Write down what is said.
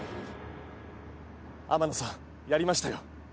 天野さん、やりましたよ！